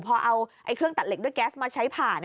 พอเอาเครื่องตัดเหล็กด้วยแก๊สมาใช้ผ่า